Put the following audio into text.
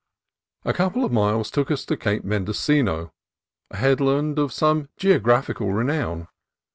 A couple of miles took us to Cape Mendocino, a headland of some geographical renown.